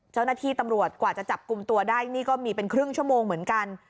เจ้าหน้าที่ตำรวจกว่าจะจับกลุ่มตัวได้นี่ก็มีเป็นครึ่งชั่วโมงเหมือนกัน